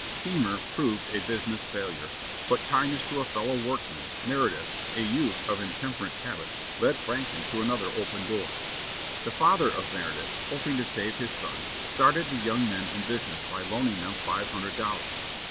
Keimer proved a business failure; but kindness to a fellow workman, Meredith, a youth of intemperate habits, led Franklin to another open door. The father of Meredith, hoping to save his son, started the young men in business by loaning them five hundred dollars.